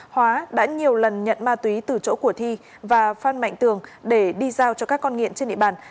hóa đã nhiều lần nhận ma túy từ chỗ của thi và phan mạnh tường để đi giao cho các con nghiện trên địa bàn